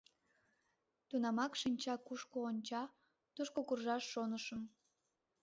Тунамак шинча кушко онча, тушко куржаш шонышым.